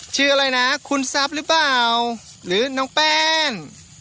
ชื่ออะไรนะคุณทรัพย์หรือเปล่าหรือน้องแป้ง